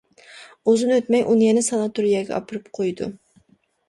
ئۇزۇن ئۆتمەي، ئۇنى يەنە ساناتورىيەگە ئاپىرىپ قويىدۇ.